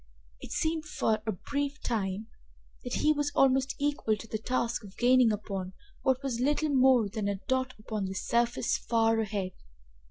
It seemed for a brief time that he was almost equal to the task of gaining upon what was little more than a dot upon the surface far ahead.